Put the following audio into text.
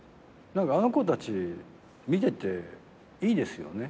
あの子たち見てていいですよね。